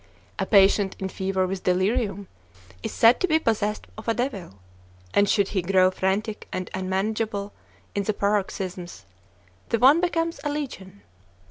A patient in fever with delirium is said to be possessed of a devil; and should he grow frantic and unmanageable in the paroxysms, the one becomes a legion.